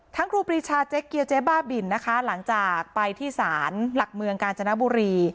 ครูปรีชาเจ๊เกียวเจ๊บ้าบินนะคะหลังจากไปที่ศาลหลักเมืองกาญจนบุรี